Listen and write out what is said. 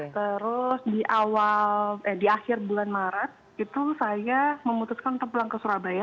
terus di akhir bulan maret itu saya memutuskan untuk pulang ke surabaya